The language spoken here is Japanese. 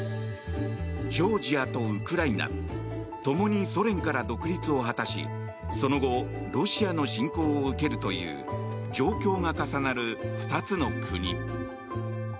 ジョージアとウクライナ共にソ連から独立を果たしその後ロシアの侵攻を受けるという状況が重なる２つの国。